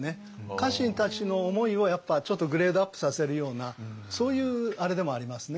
家臣たちの思いをやっぱちょっとグレードアップさせるようなそういうあれでもありますね。